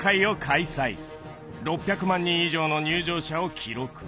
６００万人以上の入場者を記録。